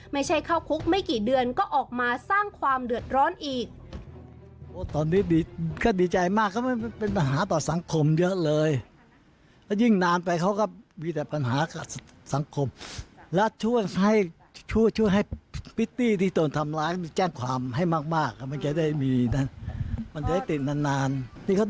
ไม่ใช่เข้าคุกไม่กี่เดือนก็ออกมาสร้างความเดือดร้อนอีก